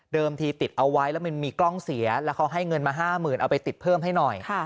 ที่ติดเอาไว้แล้วมันมีกล้องเสียแล้วเขาให้เงินมา๕๐๐๐เอาไปติดเพิ่มให้หน่อย